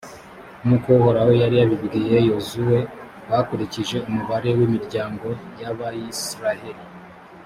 nk’uko uhoraho yari yabibwiye yozuwe, bakurikije umubare w’imiryango y’abayisraheli